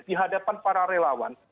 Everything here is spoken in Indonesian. di hadapan para relawan